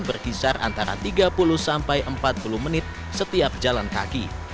berkisar antara tiga puluh sampai empat puluh menit setiap jalan kaki